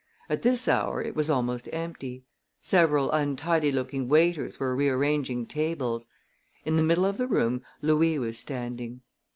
At this hour it was almost empty. Several untidy looking waiters were rearranging tables. In the middle of the room Louis was standing.